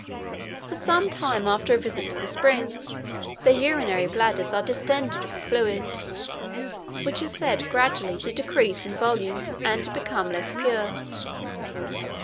For some time after a visit to the springs, their urinary bladders are distended with fluid, which is said gradually to decrease in volume, and to become less pure.